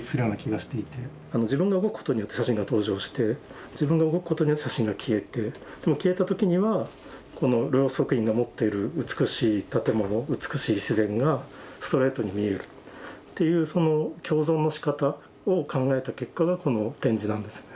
自分が動くことによって写真が登場して自分が動くことによって写真が消えてでも消えた時にはこの両足院が持ってる美しい建物美しい自然がストレートに見えるっていうその共存のしかたを考えた結果がこの展示なんです。